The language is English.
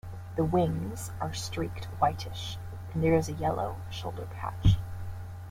The wings are streaked whitish, and there is a yellow shoulder patch.